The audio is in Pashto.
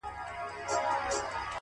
داسي وخت هم وو مور ويله راتــــــــــه’